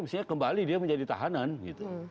mestinya kembali dia menjadi tahanan gitu